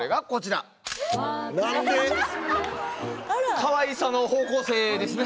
かわいさの方向性ですね。